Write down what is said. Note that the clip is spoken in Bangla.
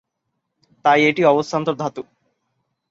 তাই, এটি অবস্থান্তর ধাতু।